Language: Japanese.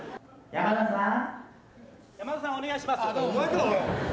やまださん、お願いします。